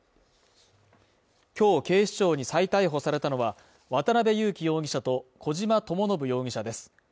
今日警視庁に再逮捕されたのは、渡辺優樹容疑者と小島智信容疑者です。